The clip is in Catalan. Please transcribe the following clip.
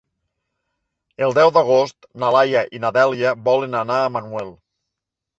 El deu d'agost na Laia i na Dèlia volen anar a Manuel.